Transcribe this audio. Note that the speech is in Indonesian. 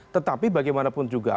tetapi bagaimanapun juga